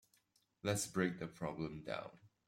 Let's break the problem down.